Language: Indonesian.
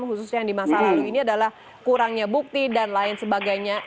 khususnya yang di masa lalu ini adalah kurangnya bukti dan lain sebagainya